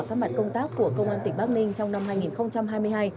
các mặt công tác của công an tỉnh bắc ninh trong năm hai nghìn hai mươi hai